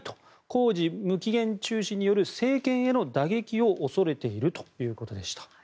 工事無期限中止による政権への打撃を恐れているということでした。